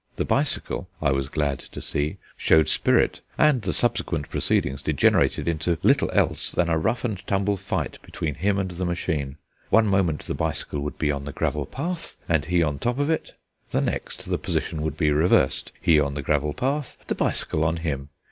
The bicycle, I was glad to see, showed spirit; and the subsequent proceedings degenerated into little else than a rough and tumble fight between him and the machine. One moment the bicycle would be on the gravel path, and he on top of it; the next, the position would be reversed he on the gravel path, the bicycle on him.